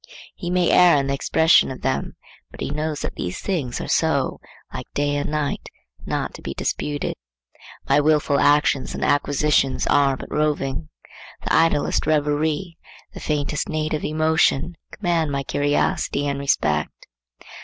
He may err in the expression of them, but he knows that these things are so, like day and night, not to be disputed. My wilful actions and acquisitions are but roving;—the idlest reverie, the faintest native emotion, command my curiosity and respect.